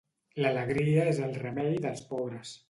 L'alegria és el remei dels pobres.